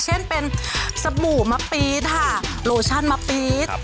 เช่นเป็นสบู่มะปี๊ดค่ะโลชั่นมะปี๊ด